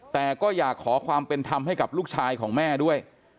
แต่ก็อยากขอความเป็นธรรมให้กับลูกชายของแม่ด้วย